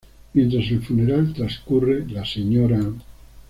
Mientras el funeral transcurre, la sra.